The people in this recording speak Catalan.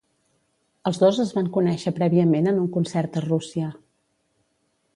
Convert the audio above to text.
Els dos es van conéixer prèviament en un concert a Rússia.